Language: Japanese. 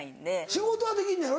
仕事はできんのやろ？